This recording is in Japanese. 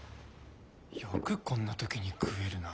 よくこんな時に食えるな。